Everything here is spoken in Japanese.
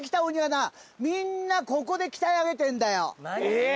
えっ！？